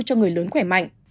cho người lớn khỏe mạnh